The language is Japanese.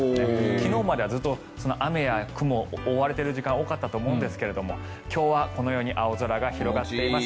昨日まではずっと雨や雲に覆われている時間が多かったと思いますが今日はこのように青空が広がっています。